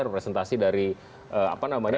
representasi dari apa namanya